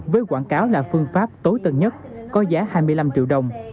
với quảng cáo là phương pháp tối tân nhất có giá hai mươi năm triệu đồng